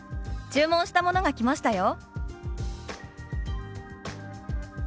注文したものが来ましたよ」。